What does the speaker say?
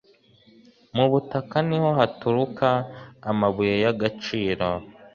Mu butaka niho haturuka amabuye yagaciro